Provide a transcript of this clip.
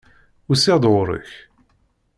Usiɣ-d ɣur-k.